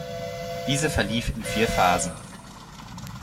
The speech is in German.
Diese verlief in vier Phasen.